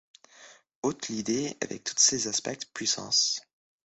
Ôte l’Idée avec tous ses aspects, puissance